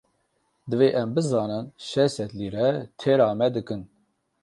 Divê em bizanin şeş sed lîre têra me dikin.